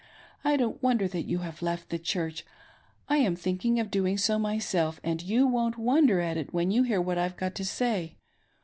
I don't wonder that you have left the Church ; I am thinking of doing so myself, and you won't wonder at it when you hear what I've got to say.